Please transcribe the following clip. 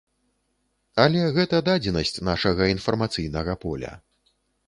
Але гэта дадзенасць нашага інфармацыйнага поля.